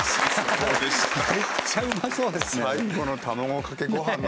めっちゃうまそうですね。